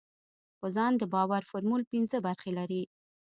پر ځان د باور فورمول پينځه برخې لري.